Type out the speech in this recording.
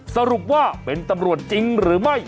สรุปว่าเป็นตำรวจจริงหรือไม่